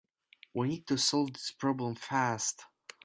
We need to solve this problem fast.